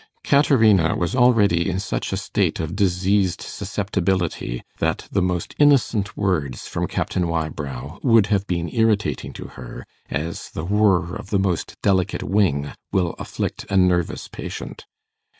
Caterina was already in such a state of diseased susceptibility that the most innocent words from Captain Wybrow would have been irritating to her, as the whirr of the most delicate wing will afflict a nervous patient.